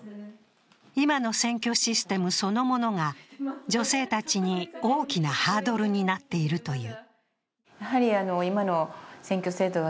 今の選挙システムそのものが女性たちに大きなハードルになっているという。